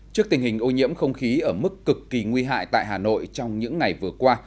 trước tình hình ô nhiễm không khí ở mức cực kỳ nguy hại tại hà nội trong những ngày vừa qua